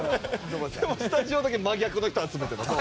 でもスタジオだけ真逆の人集めてます。